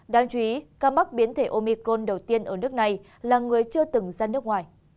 đáng chú ý ca mắc biến thể omicron đầu tiên ở nước này là người chưa từng ra nước ngoài